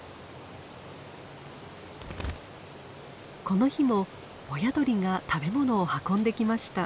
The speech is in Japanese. この日も親鳥が食べ物を運んできました。